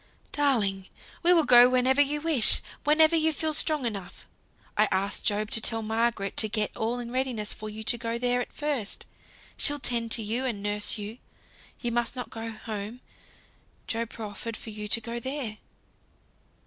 "Darling! we will go whenever you wish; whenever you feel strong enough. I asked Job to tell Margaret to get all in readiness for you to go there at first. She'll tend you and nurse you. You must not go home. Job proffered for you to go there."